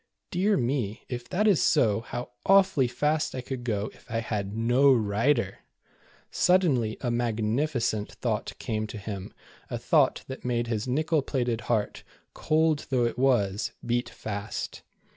Dear me, if that is so, how awfully fast I could go if I had no rider ^ Sud denly a magnificent thought came to him, a thought that made his nickel plated heart, cold though it was, beat fast.